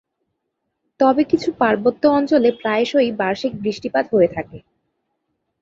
তবে কিছু পার্বত্য অঞ্চলে প্রায়শই বার্ষিক বৃষ্টিপাত হয়ে থাকে।